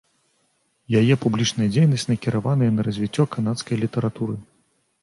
Яе публічная дзейнасць накіраваная на развіццё канадскай літаратуры.